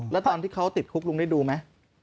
แล้วตอนที่เขาติดคุกลุงได้ดูไหม